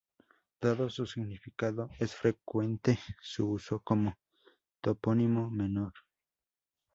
Dado su significado, es frecuente su uso como topónimo menor.